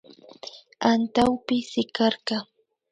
Antawpi sikarka